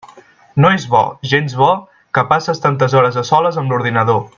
No és bo, gens bo, que passes tantes hores a soles amb l'ordinador.